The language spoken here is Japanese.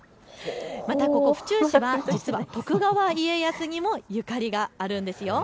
またここ府中市は実は徳川家康にもゆかりがあるんですよ。